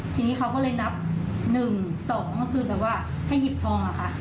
ทีนี้เขาก็เลยนับ๑๒ก็คือแบบว่าให้หยิบทองอะค่ะ